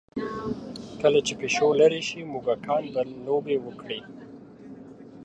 کله چې پیشو لرې شي، موږکان به لوبې وکړي.